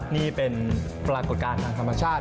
นี่เป็นปรากฏการณ์ทางธรรมชาติ